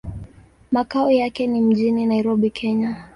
Makao yake ni mjini Nairobi, Kenya.